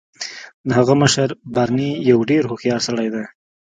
د هغه مشر بارني یو ډیر هوښیار سړی دی